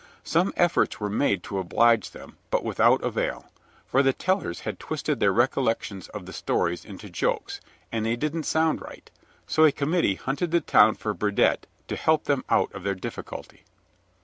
Some efforts were made to oblige them, but without avail, for the tellers had twisted their recollections of the stories into jokes, and they didn't sound right, so a committee hunted the town for Burdette to help them out of their difficulty.